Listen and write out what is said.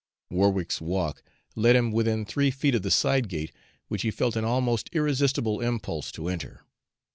Warwick's walk led him within three feet of the side gate, which he felt an almost irresistible impulse to enter.